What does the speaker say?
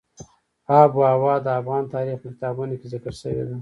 آب وهوا د افغان تاریخ په کتابونو کې ذکر شوې ده.